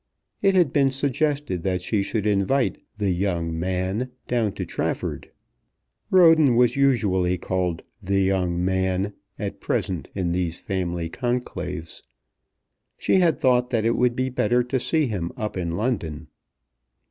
It had been suggested that she should invite "the young man" down to Trafford. Roden was usually called "the young man" at present in these family conclaves. She had thought that it would be better to see him up in London.